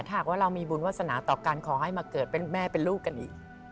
หากว่าเรามีบุญวาสนาต่อกันขอให้มาเกิดเป็นแม่เป็นลูกกันอีก